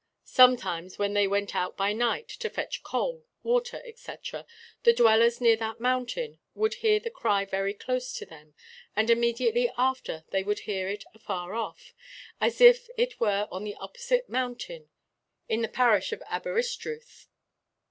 Sometimes when they went out by night, to fetch coal, water, etc., the dwellers near that mountain would hear the cry very close to them, and immediately after they would hear it afar off, as if it were on the opposite mountain, in the parish of Aberystruth.